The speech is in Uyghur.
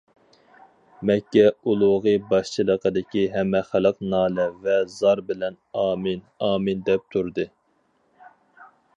مەككە ئۇلۇغى باشچىلىقىدىكى ھەممە خەلق نالە ۋە زار بىلەن« ئامىن، ئامىن» دەپ تۇردى.